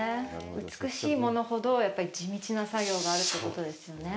美しいものほど、やっぱり地道な作業があるということですね。